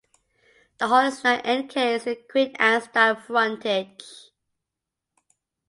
The hall is now encased in a Queen Anne style frontage.